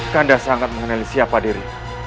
dan anda sangat mengenali siapa diri